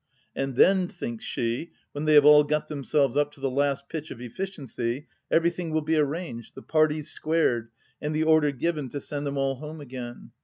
And then, thinks she, when they have all got themselves up to the last pitch of efl&ciency, everything will be arranged, the parties squared, and the order given to send them all home again.